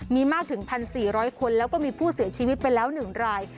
มีมากถึง๑๔๐๐คนแล้วก็มีผู้เสียชีวิตไปแล้ว๑ราย